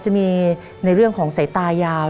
จะมีในเรื่องของสายตายาว